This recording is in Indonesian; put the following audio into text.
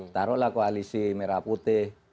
taruhlah koalisi merah putih